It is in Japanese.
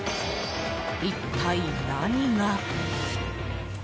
一体、何が？